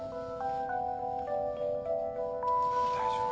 大丈夫。